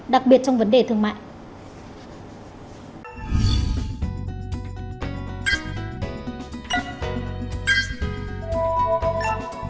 đặc biệt trong vấn đề thương mại